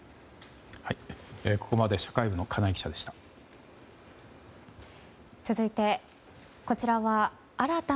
ここまで社会部の金井記者でした。